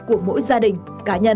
của mỗi gia đình cá nhân